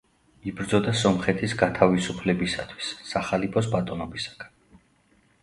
იბრძოდა სომხეთის გათავისუფლებისათვის სახალიფოს ბატონობისაგან.